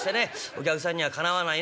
お客さんにはかなわないなと思う